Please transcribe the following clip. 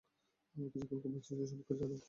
আমাকে সেখানকার পরিস্থিতি সম্পর্কে জানাও।